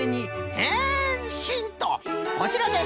こちらです。